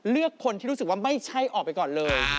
เลือกคนที่รู้สึกว่าไม่ใช่ออกไปก่อนเลย